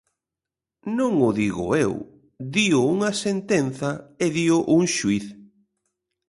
Non o digo eu, dío unha sentenza e dío un xuíz.